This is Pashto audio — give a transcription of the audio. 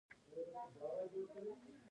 لایسنس درلودل ډېر اړین دي